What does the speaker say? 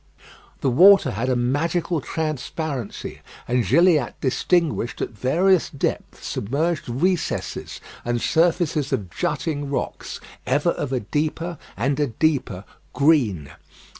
The water had a magical transparency, and Gilliatt distinguished at various depths submerged recesses, and surfaces of jutting rocks ever of a deeper and a deeper green.